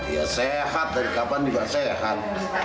ya sehat dari kapan juga sehat